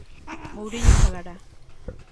Mouriño falará.